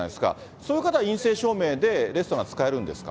そういう方は陰性証明でレストラン使えるんですか？